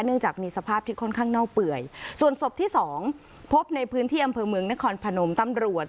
จากมีสภาพที่ค่อนข้างเน่าเปื่อยส่วนศพที่สองพบในพื้นที่อำเภอเมืองนครพนมตำรวจ